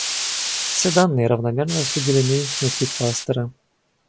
Все данные равномерно распределены внутри кластера